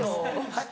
はい？